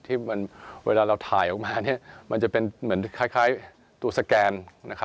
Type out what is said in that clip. เวลาเราถ่ายออกมามันจะเป็นเหมือนคล้ายตัวสแกน